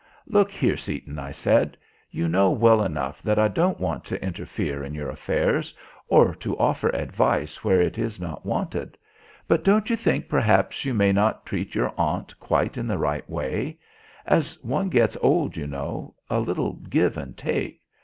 "Look here, Seaton," I said, "you know well enough that I don't want to interfere in your affairs, or to offer advice where it is not wanted. But don't you think perhaps you may not treat your aunt quite in the right way? As one gets old, you know, a little give and take.